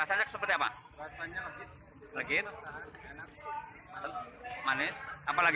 enak aja lah